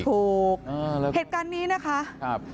เหตุการณ์นี้นะคะ